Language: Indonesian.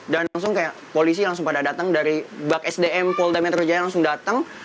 dan langsung kayak polisi langsung pada datang dari bak sdm polda metro jaya langsung datang